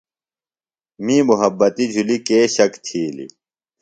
می مُحبتی جُھلیۡ کے شک تِھیلیۡ